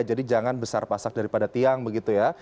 jadi jangan besar pasak daripada tiang begitu ya